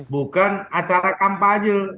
bukan acara kampanye